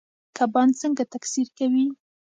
کبان څنګه تکثیر کوي؟